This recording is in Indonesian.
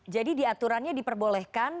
jadi diaturannya diperbolehkan